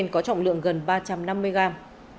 có trọng lượng gần ba trăm năm mươi gram